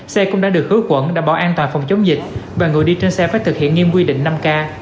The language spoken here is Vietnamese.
xe cũng đã được khử quẩn đảm bảo an toàn phòng chống dịch và người đi trên xe phải thực hiện nghiêm quy định năm k